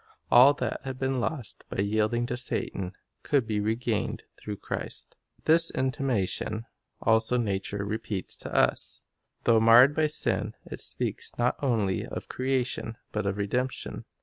All that had been lost by yielding to Satan could be regained through Christ. This intimation also nature repeats to us. Though marred by sin, it speaks not only of creation but of redemption.